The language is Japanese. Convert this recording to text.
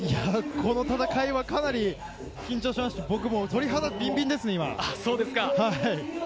この戦いはかなり緊張しますし、僕も鳥肌ビンビンですね、今。